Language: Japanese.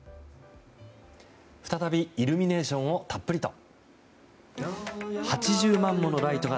再びイルミネーションをたっぷりと。